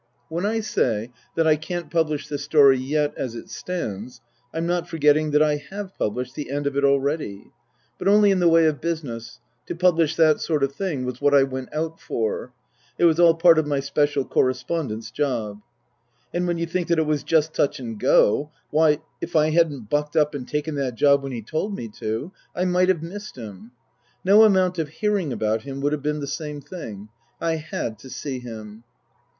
When I say that I can't publish this story yet as it stands, I'm not forgetting that I have published the end of it already. But only in the way of business ; to publish that sort of thing was what I went out for ; it was all part of my Special Correspondent's job. And when you think that it was just touch and go Why, if I hadn't bucked up and taken that job when he told me to I might have missed him. No amount of hearing about him would have been the same thing. I had to see him.